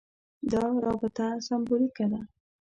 دا رابطه سېمبولیکه ده.